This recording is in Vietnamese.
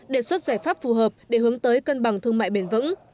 đề xuất giải pháp phù hợp để hướng tới cân bằng thương mại bền vững